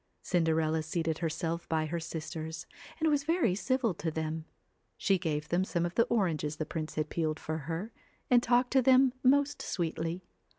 Cinderella seated herself by her sisters, and was very civil to them. She gave them some of the 28 oranges the prince had peeled for her, and talked CINDER to them most sweetly.